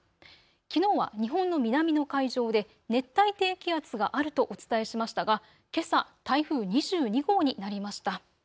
きのうは日本の南の海上で熱帯低気圧があるとお伝えしましたがけさ台風２２号になりました。